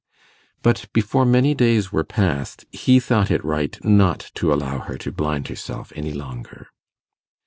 But before many days were past, he thought it right not to allow her to blind herself any longer.